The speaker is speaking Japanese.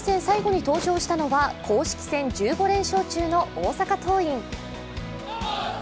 最後に登場したのは公式戦１５連勝中の大阪桐蔭。